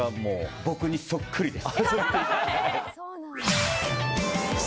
僕にそっくりです。